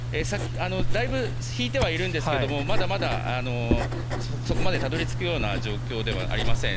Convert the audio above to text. だいぶ引いてはいるんですがまだまだそこまでたどり着くような状況ではありません。